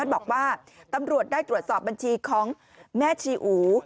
บอกว่าตำรวจได้ผสมบัญชีของแม่ชีอู๋